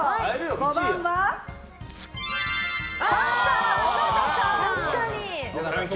５番は、パンサー尾形さん。